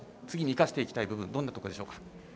次に生かしていきたいところはどんなところでしょうか。